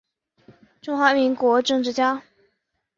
中华民国政治家。